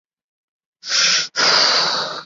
张瓘是太原监军使张承业的侄子。